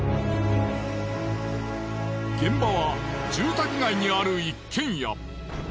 現場は住宅街にある一軒家。